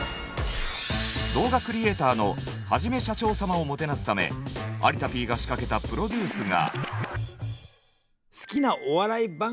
動画クリエーターのはじめしゃちょー様をもてなすため有田Ｐが仕掛けたプロデュースが。